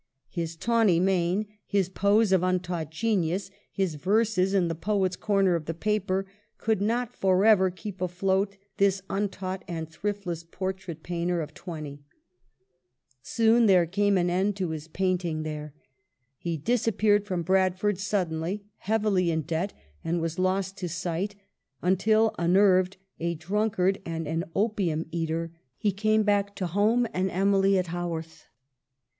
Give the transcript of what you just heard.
His tawny mane, his pose of untaught genius, his verses in the poet's corner of the paper, could not forever keep afloat this untaught and thriftless portrait painter of GIRLHOOD AT HAWORTH. 87 twenty. Soon there came an end to his paint ing there. He disappeared from Bradford sud denly, heavily in debt, and was lost to sight, until unnerved, a drunkard, and an opium eater, he came back to home and Emily at Haworth.